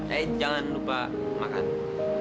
eh jangan lupa makan ya